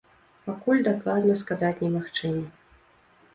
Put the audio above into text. Пакуль дакладна сказаць немагчыма.